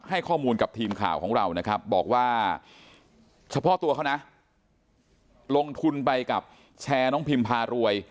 ให้ข้อมูลกับทีมข่าวของเรานะครับบอกว่าเฉพาะตัวเขานะลงทุนไปกับแชร์น้องพิมพารวย